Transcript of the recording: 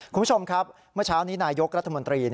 คุณผู้ชมครับเมื่อเช้านี้นายกรัฐมนตรี